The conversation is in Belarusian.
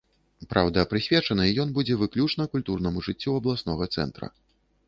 Праўда, прысвечаны ён будзе выключна культурнаму жыццю абласнога цэнтра.